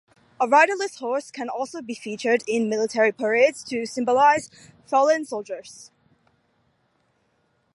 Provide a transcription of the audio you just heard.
A riderless horse can also be featured in military parades to symbolize fallen soldiers.